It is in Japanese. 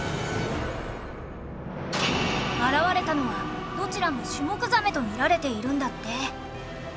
現れたのはどちらもシュモクザメと見られているんだって。